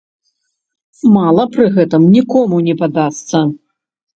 Мала пры гэтым нікому не падасца.